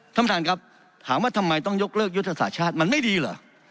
ท่านประธานครับถามว่าทำไมต้องยกเลิกยุทธศาสตร์ชาติมันไม่ดีเหรอ